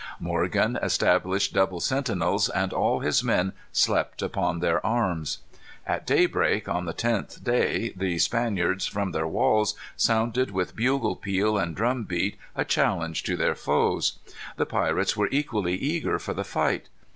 Morgan established double sentinels, and all his men slept upon their arms. At daybreak on the tenth day the Spaniards, from their walls, sounded with bugle peal and drum beat a challenge to their foes. The pirates were equally eager for the fight.